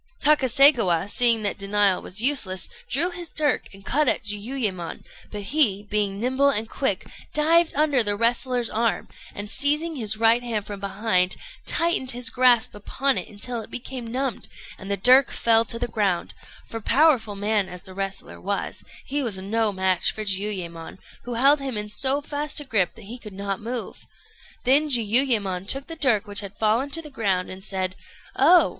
Takaségawa, seeing that denial was useless, drew his dirk and cut at Jiuyémon; but he, being nimble and quick, dived under the wrestler's arm, and seizing his right hand from behind, tightened his grasp upon it until it became numbed, and the dirk fell to the ground; for, powerful man as the wrestler was, he was no match for Jiuyémon, who held him in so fast a grip that he could not move. Then Jiuyémon took the dirk which had fallen to the ground, and said: "Oh!